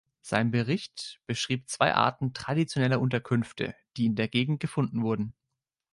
Sein Bericht beschrieb zwei Arten traditioneller Unterkünfte, die in der Gegend gefunden wurden.